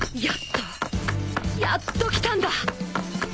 やっと来たんだ！